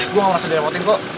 gue gak mau langsung direpotin kok